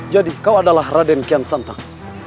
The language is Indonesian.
jadi kau adalah raden kian santang